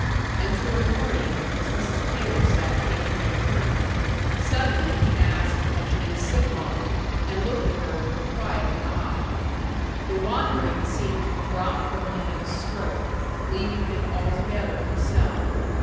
And toward morning, as Mrs. Taylor sat taking her turn, suddenly he asked had he been sick long, and looked at her with a quieted eye. The wandering seemed to drop from him at a stroke, leaving him altogether himself.